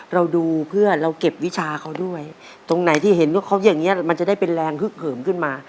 เราดูเพื่อเราเก็บวิชาเขาด้วยตรงไหนที่เห็นว่าเขาอย่างนี้มันจะได้เป็นแรงฮึกเหิมขึ้นมา